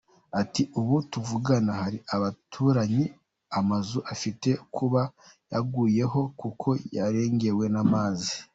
Ati “Ubu tuvugana hari abaturanyi amazu afite kuba yaguyeho kuko yarengewe n’amazi.